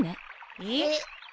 えっ？